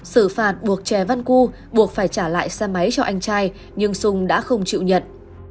xử phạt buộc chè văn cu buộc phải trả lại xe máy cho anh trai nhưng sung đã không chịu nhận